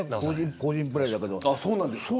個人プレーだけど。